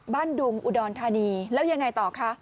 ดุงอุดรธานีแล้วยังไงต่อคะ